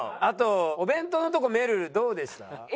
あとお弁当のとこめるるどうでした？